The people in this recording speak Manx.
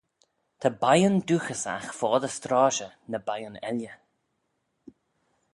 Ta beiyn dooghyssagh foddey stroshey na beiyn elley.